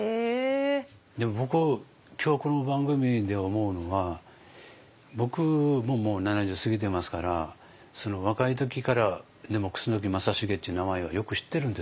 でも僕今日この番組で思うのは僕ももう７０過ぎてますから若い時から楠木正成っていう名前はよく知ってるんです。